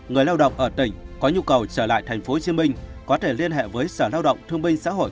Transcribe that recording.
người lao động ở tỉnh có nhu cầu trở lại tp hcm có thể liên hệ với sở lao động thương binh xã hội